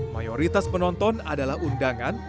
mayoritas penonton adalah undangan